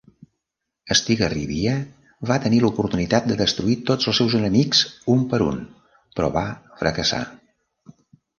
Estigarribia va tenir l'oportunitat de destruir tots els seus enemics un per un, però va fracassar.